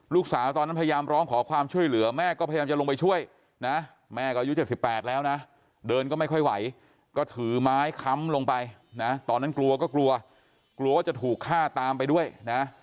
ลูกสาวตอนนั้นพยายามร้องขอความช่วยเหลือแม่ก็พยายามจะลงไปช่วยนะ